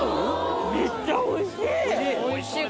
めっちゃおいしい！